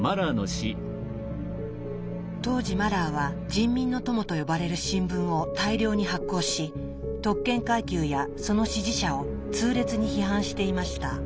当時マラーは「人民の友」と呼ばれる新聞を大量に発行し特権階級やその支持者を痛烈に批判していました。